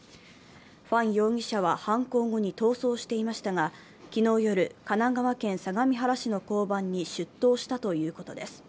ファン容疑者は犯行後に逃走していましたが、昨日夜、神奈川県相模原市の交番に出頭したということです。